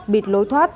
bịt lối thoát